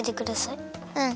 うん。